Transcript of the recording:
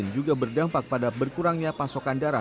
juga berdampak pada berkurangnya pasokan darah